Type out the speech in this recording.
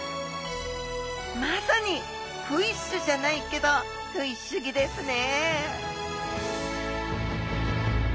まさにフィッシュじゃないけどフィッシュギですね！